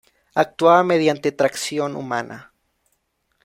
Actuaba mediante tracción humana.